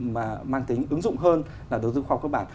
mà mang tính ứng dụng hơn là đầu tư khoa học cơ bản